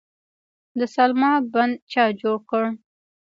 د سلما بند چا جوړ کړ؟